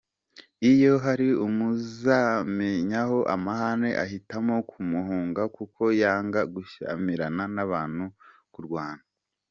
Iyo hari umuzanyeho amahane ahitamo kumuhunga kuko yanga gushyamirana n’abantu no kurwana.